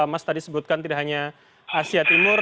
mas tadi sebutkan tidak hanya asia timur